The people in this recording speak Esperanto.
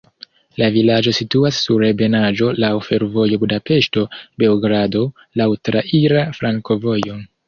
La vilaĝo situas sur ebenaĵo, laŭ fervojo Budapeŝto-Beogrado, laŭ traira flankovojo.